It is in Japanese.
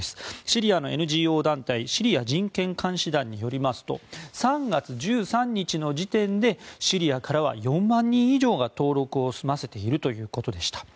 シリアのＮＧＯ団体シリア人権監視団によりますと３月１３日の時点でシリアからは４万人以上が登録を済ませているということでした。